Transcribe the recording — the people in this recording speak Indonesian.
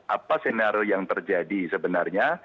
apa senario yang terjadi sebenarnya